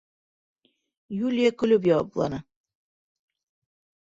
Юлия көлөп яуапланы: